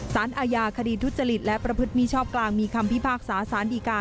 สารอาญาคดีทุจริตและประพฤติมีชอบกลางมีคำพิพากษาสารดีกา